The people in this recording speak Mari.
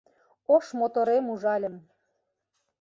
Ош моторем ужальым.